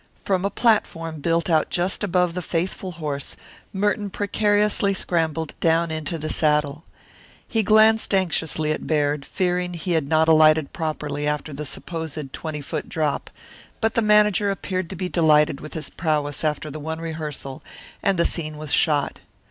From a platform built out just above the faithful horse Merton precariously scrambled down into the saddle. He glanced anxiously at Baird, fearing he had not alighted properly after the supposed twenty foot drop, but the manager appeared to be delighted with his prowess after the one rehearsal, and the scene was shot.